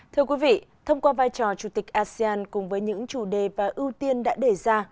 thưa quý vị thông qua vai trò chủ tịch asean cùng với những chủ đề và ưu tiên đã đề ra